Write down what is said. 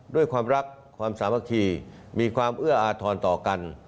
ด้วยความรักความสามัคคีมีความเอื้ออาทรต่อกัน